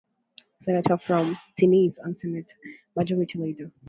Senator from Tennessee and Senate Majority Leader.